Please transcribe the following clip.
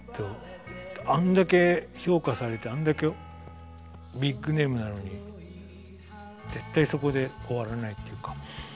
あんだけ評価されてあんだけビッグネームなのに絶対そこで終わらないというか。